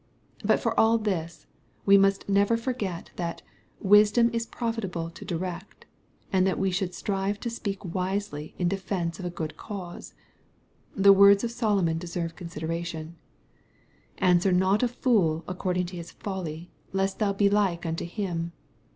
But for all this, we must never forget that '^wisdom is profitable to direct,'' and that we should strive to speak wisely in defence of a good cause* The words of Solomon deserve consideration :'^ Answer not a fool according to bis folly, lest thou be like unto him."